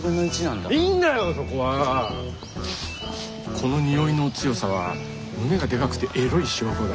この匂いの強さは胸がでかくてエロい証拠だ。